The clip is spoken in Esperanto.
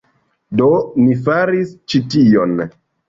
Do, mi faris ĉi tion